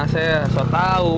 saya asal tau